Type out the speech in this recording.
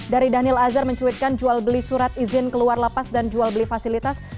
dari daniel azhar mencuitkan jual beli surat izin keluar lapas dan jual beli fasilitas